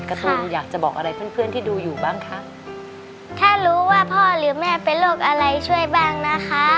การ์ตูนอยากจะบอกอะไรเพื่อนเพื่อนที่ดูอยู่บ้างคะถ้ารู้ว่าพ่อหรือแม่เป็นโรคอะไรช่วยบ้างนะคะ